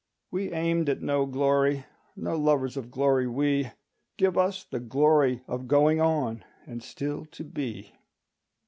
We aimed at no glory, no lovers of glory we; Give us the glory of going on and still to be.